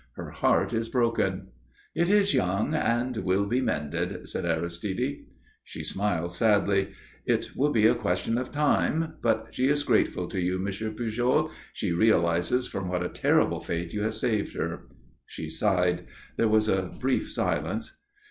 Her heart is broken." "It is young and will be mended," said Aristide. She smiled sadly. "It will be a question of time. But she is grateful to you, Monsieur Pujol. She realizes from what a terrible fate you have saved her." She sighed. There was a brief silence.